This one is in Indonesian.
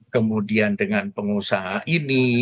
kemudian dengan pengusaha ini